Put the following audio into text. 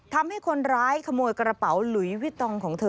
ทำให้คนร้ายขโมยกระเป๋าหลุยวิตองของเธอ